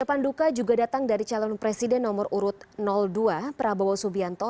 harapan duka juga datang dari calon presiden nomor urut dua prabowo subianto